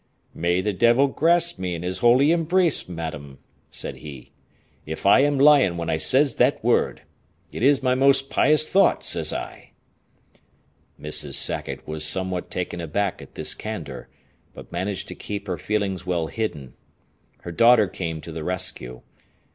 "May the devil grasp me in his holy embrace, madam," said he, "if I am lying when I says that word. It is my most pious thought, says I." Mrs. Sackett was somewhat taken aback at this candor, but managed to keep her feelings well hidden. Her daughter came to the rescue.